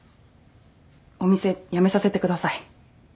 お店辞めさせてください。